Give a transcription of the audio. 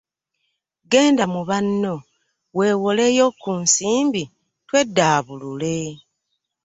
Genda mu banno weewoleyo ku nsimbi tweddaabulule.